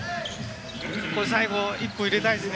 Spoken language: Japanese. これ最後１本入れたいですね。